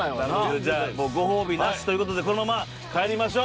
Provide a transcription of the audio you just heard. じゃあご褒美なしということでこのまま帰りましょう。